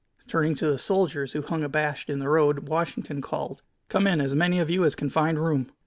Turning to the soldiers, who hung abashed in the road, Washington called: "Come in, as many of you as can find room!"